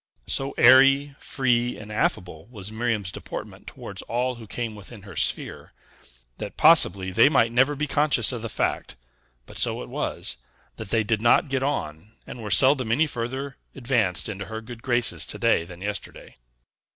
So airy, free, and affable was Miriam's deportment towards all who came within her sphere, that possibly they might never be conscious of the fact, but so it was, that they did not get on, and were seldom any further advanced into her good graces to day than yesterday.